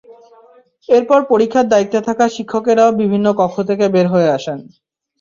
এরপর পরীক্ষার দায়িত্বে থাকা শিক্ষকেরাও বিভিন্ন কক্ষ থেকে বের হয়ে আসেন।